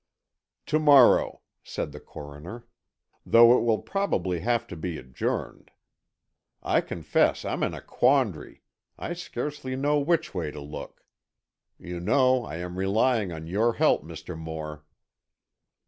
"To morrow," said the Coroner. "Though it will probably have to be adjourned. I confess I'm in a quandary. I scarcely know which way to look. You know I am relying on your help, Mr. Moore."